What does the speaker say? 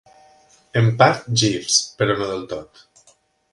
En part, Jeeves, però no del tot.